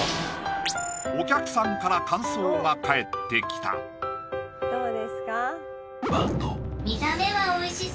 お客さんから感想が返ってきたどうですか？